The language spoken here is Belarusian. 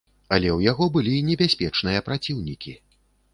Але ў яго былі небяспечныя праціўнікі.